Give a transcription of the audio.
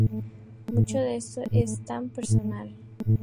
Mucho de esto es tan personal.